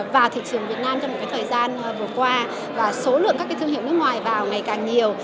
vào thị trường việt nam trong một thời gian vừa qua và số lượng các thương hiệu nước ngoài vào ngày càng nhiều